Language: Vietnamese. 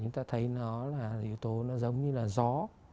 chúng ta thấy nó là yếu tố nó giống như là gió